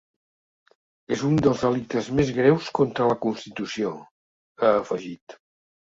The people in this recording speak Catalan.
És un dels delictes més greus contra la constitució, ha afegit.